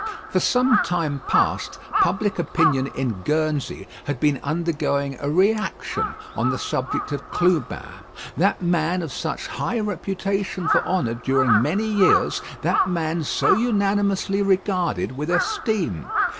For some time past public opinion in Guernsey had been undergoing a reaction on the subject of Clubin: that man of such high reputation for honour during many years; that man so unanimously regarded with esteem.